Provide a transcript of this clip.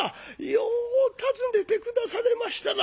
よう訪ねて下されましたな。